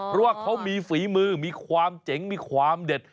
เพราะว่าเขามีฝีมือมีความเจ๋งมีความเด็ด